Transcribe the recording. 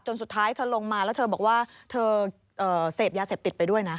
สุดท้ายเธอลงมาแล้วเธอบอกว่าเธอเสพยาเสพติดไปด้วยนะ